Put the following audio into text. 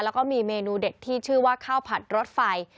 แล้วก็มีเมนูเด็ดที่ชื่อว่าข้าวผัดรถไฟ